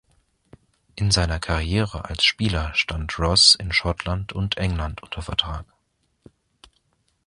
In seiner Karriere als Spieler stand Ross in Schottland und England unter Vertrag.